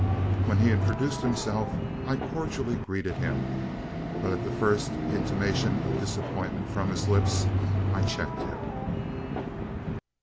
When he introduced himself, I cordially greeted him, but at the first intimation of disappointment from his lips, I checked him.